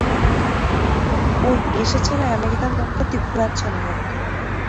ঔই এসেছে না আমেরিকান দম্পতি, ঘুরাচ্ছি উনাদেরকে।